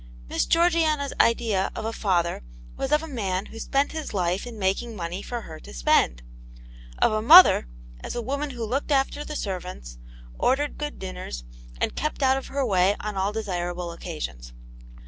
Miss Georgiana's idea of a father was of a man who spent his life in making money for her to spend — of a mother, as a woman who looked after the servants, ordered good dinners, and kept out of her way on all desirable occasions.